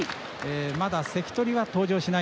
まだ関取は登場しないんですね。